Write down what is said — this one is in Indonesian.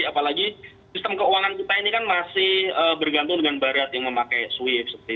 apalagi sistem keuangan kita ini kan masih bergantung dengan barat yang memakai swift